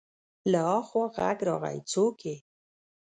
له اخوا غږ راغی: څوک يې؟